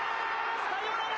サヨナラ！